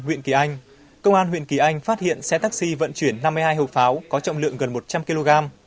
huyện kỳ anh công an huyện kỳ anh phát hiện xe taxi vận chuyển năm mươi hai hộp pháo có trọng lượng gần một trăm linh kg